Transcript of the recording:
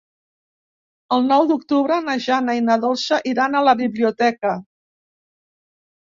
El nou d'octubre na Jana i na Dolça iran a la biblioteca.